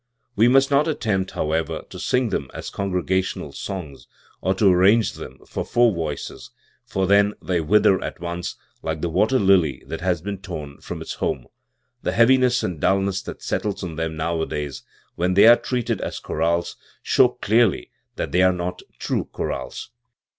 We must not attempt, however, to sing them as congregational songs, or to arrange them for four voices, for then they wither at once, like the water lily that has been torn from, its home, The heaviness and dull ness that settle on them nowadays when they arc treated as chorales, show clearly that tl},ey are not true chorales.